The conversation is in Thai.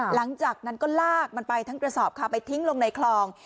หลังจากนั้นก็ลากมันไปทั้งกระสอบค่ะไปทิ้งลงในคลอง